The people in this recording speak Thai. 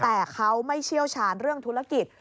แต่เขาไม่เชี่ยวชาญเรื่องธุรกิจ